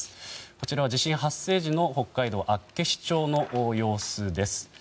こちらは地震発生時の北海道厚岸町の様子です。